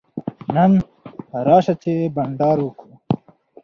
نن راسه چي بانډار وکو.